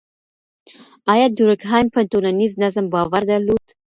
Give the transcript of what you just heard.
آيا دورکهايم په ټولنيز نظم باور درلود؟